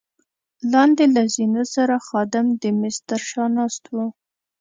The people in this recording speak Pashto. لاندې له زینو سره خادم د مېز تر شا ناست وو.